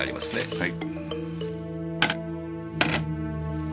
はい。